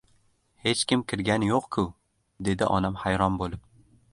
— Hech kim kirgani yo‘q-ku! — dedi onam hayron bo‘lib.